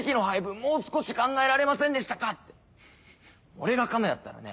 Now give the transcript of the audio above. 俺が亀だったらね